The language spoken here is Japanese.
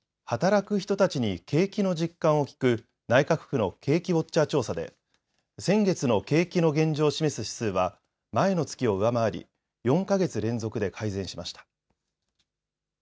働く人たちに景気の実感を聞く、内閣府の景気ウォッチャー調査で先月の景気の現状を示す指数は前の月を上回り、４か月連続で改善しました。